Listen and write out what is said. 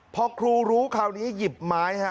พอครูรู้คราวนี้หยิบไม้ฮะ